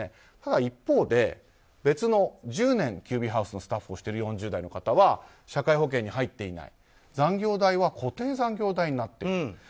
一方で別の、１０年ＱＢＨＯＵＳＥのスタッフをしている４０代の方は社会保険に入っていない残業代は固定残業代になっている。